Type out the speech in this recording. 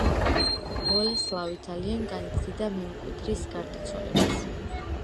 ბოლესლავი ძალიან განიცდიდა მემკვიდრის გარდაცვალებას.